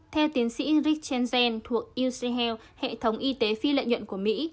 theo tiến sĩ rick chenzen thuộc uc health hệ thống y tế phi lợi nhuận của mỹ